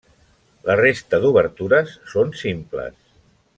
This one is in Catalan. La resta d’obertures són simples.